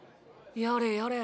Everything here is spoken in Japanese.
やれやれ